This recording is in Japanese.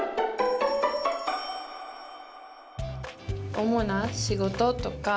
主な仕事とか。